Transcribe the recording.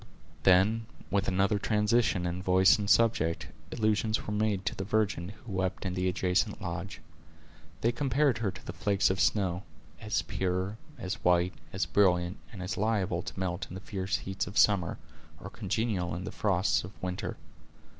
Then, with another transition in voice and subject, allusions were made to the virgin who wept in the adjacent lodge. They compared her to flakes of snow; as pure, as white, as brilliant, and as liable to melt in the fierce heats of summer, or congeal in the frosts of winter.